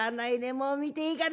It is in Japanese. もう見ていいかな？